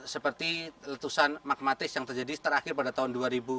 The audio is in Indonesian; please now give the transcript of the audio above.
seperti letusan magmatis yang terjadi terakhir pada tahun dua ribu dua